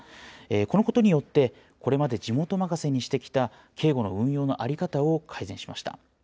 このことによって、これまで地元任せにしてきた警護の運用の在り方を改善しました。